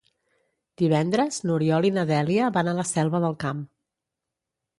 Divendres n'Oriol i na Dèlia van a la Selva del Camp.